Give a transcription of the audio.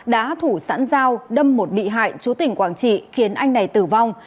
đã thủ sẵn dao đâm một bị hại chú tỉnh quảng trị khiến anh này tử vong